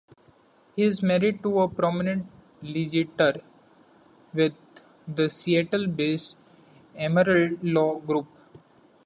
He is married to a prominent litigator with the Seattle-based, Emerald Law Group.